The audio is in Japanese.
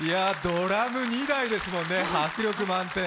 ドラム２台ですもんね、迫力満点。